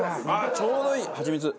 ちょうどいいハチミツ。